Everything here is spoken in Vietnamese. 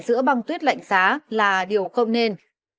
giữa băng tuyết lạnh giá là điều không nên